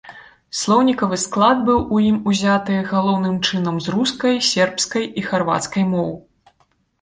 Слоўнікавы склад быў ім узяты галоўным чынам з рускай, сербскай і харвацкай моў.